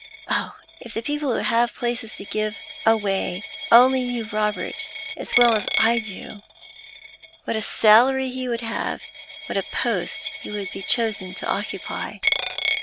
Oh, if the people who have places to give away only knew Robert as well as I do, what a salary he would have, what a post he would be chosen to occupy!